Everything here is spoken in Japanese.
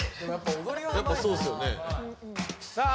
やっぱそうっすよねさあ